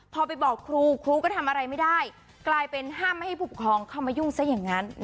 พอไปบอกครูครูก็ทำอะไรไม่ได้กลายเป็นห้ามไม่ให้ผู้ปกครองเข้ามายุ่งซะอย่างนั้น